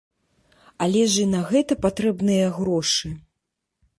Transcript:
Але ж і на гэта патрэбныя грошы.